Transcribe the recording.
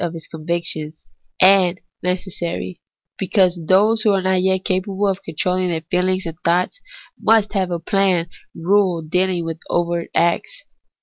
181 of his convictions ; and necessary, because those who are not yet capable of controlling their feehngs and thoughts must have a plain rule dealing with overt acts.